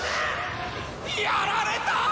・やられた！